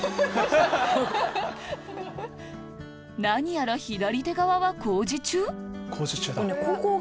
何やら左手側は工事中？